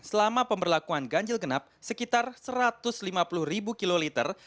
selama pemberlakuan ganjil genap sekitar satu ratus lima puluh ribu kiloliter